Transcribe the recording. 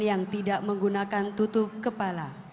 cinta ku menunjukkan